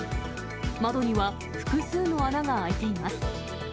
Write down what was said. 窓には複数の穴が開いています。